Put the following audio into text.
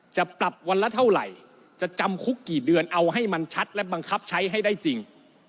จะปรับวันละเท่าไหร่จะจำคุกกี่เดือนเอาให้มันชัดและบังคับใช้ให้ได้จริง